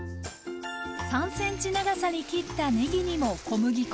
３ｃｍ長さに切ったねぎにも小麦粉をまぶします。